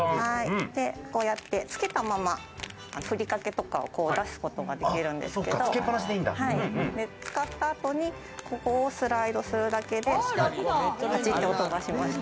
つけたまま、ふりかけとかを出すことができるんですけど、使った後に、ここをスライドするだけでパチっと音がしました。